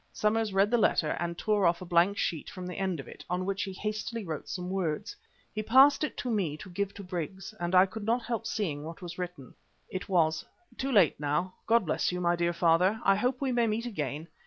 Somers read the letter and tore off a blank sheet from the end of it, on which he hastily wrote some words. He passed it to me to give to Briggs, and I could not help seeing what was written. It was: "Too late now. God bless you, my dear father. I hope we may meet again.